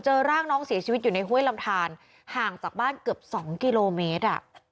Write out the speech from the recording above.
ร่างน้องเสียชีวิตอยู่ในห้วยลำทานห่างจากบ้านเกือบ๒กิโลเมตร